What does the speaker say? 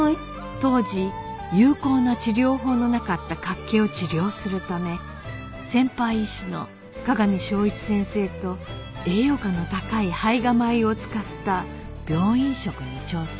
当時有効な治療法のなかった脚気を治療するため先輩医師の香美昇一先生と栄養価の高い胚芽米を使った病院食に挑戦